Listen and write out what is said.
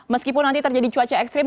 meskipun nanti terjadi cuaca ekstrim